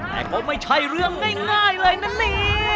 แต่ก็ไม่ใช่เรื่องง่ายเลยนะนี่